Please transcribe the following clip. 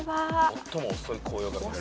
最も遅い紅葉が見られる。